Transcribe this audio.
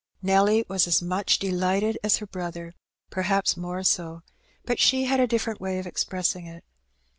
Nelly was as much delighted as her brother; perhaps more so, but she had a dififerent way of expressing it.